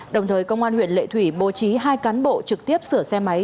đồng thời công an huyện lệ thủy bố trí hai cán bộ trực tiếp sửa xe máy